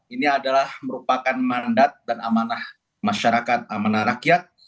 ini adalah merupakan mandat dan amanah masyarakat amanah rakyat